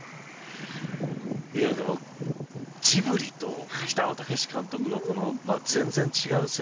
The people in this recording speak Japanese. いやでもジブリと北野武監督のこの全然違う世界観。